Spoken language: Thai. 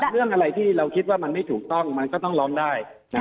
เรื่องอะไรที่เราคิดว่ามันไม่ถูกต้องมันก็ต้องร้องได้